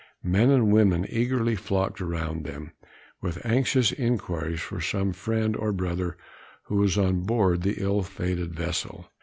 Men and women eagerly flocked around them, with anxious inquiries for some friend or brother who was on board the ill fated vessel.